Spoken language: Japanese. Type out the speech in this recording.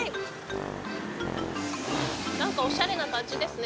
何かおしゃれな感じですね。